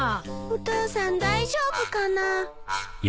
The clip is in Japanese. お父さん大丈夫かな？